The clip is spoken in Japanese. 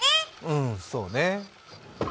うん、そうね。